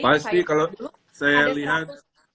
pasti kalau saya lihat